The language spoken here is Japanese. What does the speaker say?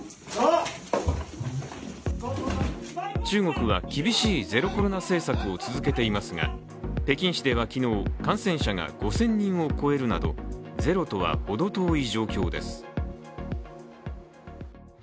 中国は厳しいゼロコロナ政策を続けていますが北京市では昨日、感染者が５０００人を超えるなどゼロとは程遠い状況です。